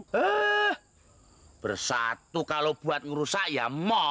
heee bersatu kalau buat urusan ya mah